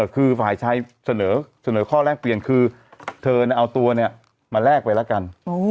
คือฝ่ายชายเสนอข้อแรกเปลี่ยนคือเธอเอาตัวเนี่ยมาแลกไปแล้วกัน